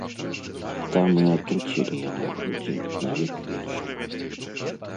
Там і атруцілі яму грудзі на век вечны.